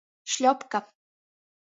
Šļopka.